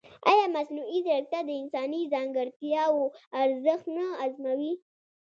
ایا مصنوعي ځیرکتیا د انساني ځانګړتیاوو ارزښت نه ازموي؟